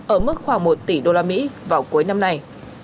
ở mức khoảng một tỷ usd vào cuối năm nay